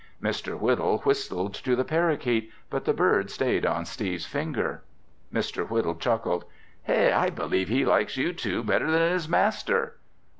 Mr. Whittle whistled to the parakeet, but the bird stayed on Steve's finger. Mr. Whittle chuckled. "Hey, I believe he likes you two better than his master!"